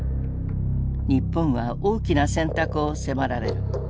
日本は大きな選択を迫られる。